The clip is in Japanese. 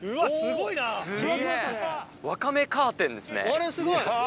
これすごい！